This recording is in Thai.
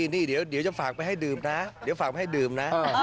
นี่เดี๋ยวจะฝากไปให้ดื่มนะเดี๋ยวฝากไปให้ดื่มนะ